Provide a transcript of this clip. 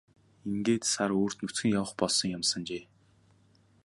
Ингээд сар үүрд нүцгэн явах болсон юмсанжээ.